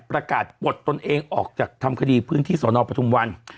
ประกาศปลดตนเองออกจากทำคดีพื้นที่สอนอปทุมวัน